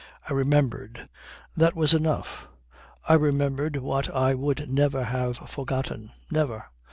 I remembered. That was enough. I remembered what I should never have forgotten. Never.